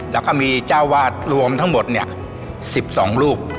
แล้วก็มีเจ้าวาดรวมทั้งหมด๑๒รูป